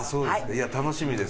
いや楽しみです。